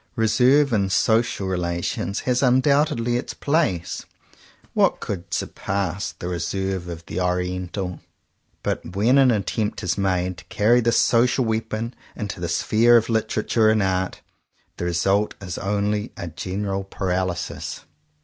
Reserve in social relations has undoubtedly its place — what could surpass the reserve of the Oriental .?— but when an attempt is made to carry this social weapon into the sphere of literature and art, the result is only a general paralysis.